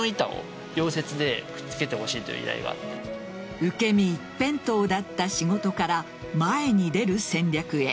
受け身一辺倒だった仕事から前に出る戦略へ。